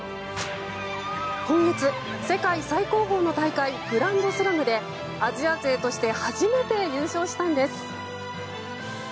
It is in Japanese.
今月、世界最高峰の大会グランドスラムでアジア勢として初めて優勝したんです。